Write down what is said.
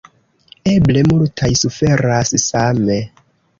Eble multaj suferas same.